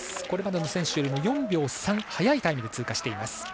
これまでの選手よりも４秒３速いタイムで通過しています。